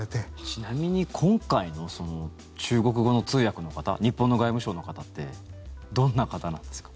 ちなみに今回の中国語の通訳の方日本の外務省の方ってどんな方なんですか？